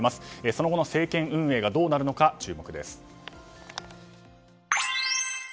その後の政権運営がどうなるのか注目です。